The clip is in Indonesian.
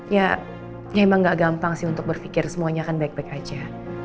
ya ya emang gak gampang sih untuk berpikir semuanya akan baik baik aja